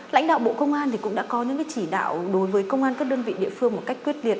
lãnh đạo bộ công an cũng đã có những chỉ đạo đối với công an các đơn vị địa phương một cách quyết liệt